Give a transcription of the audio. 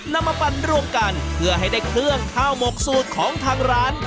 นำมาปั่นรวมกันเพื่อให้ได้เครื่องข้าวหมกสูตรของทางร้าน